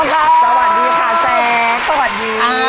สวัสดีค่ะแซคสวัสดี